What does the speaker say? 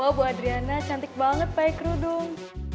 wah bu adriana cantik banget pake kerudung